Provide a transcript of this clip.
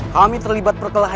kami terlibat perkelahian